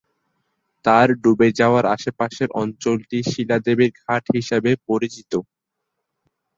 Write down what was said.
তার ডুবে যাওয়ার আশেপাশের অঞ্চলটি শিলা দেবীর ঘাট হিসাবে পরিচিত।